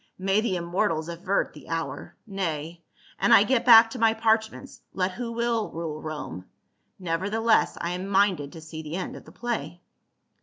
May the immortals avert the hour ! Nay, an I get back to my parchments, let who will rule Rome. Neverthe less I am minded to see the end of the play."